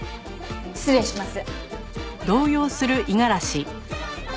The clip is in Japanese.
失礼します。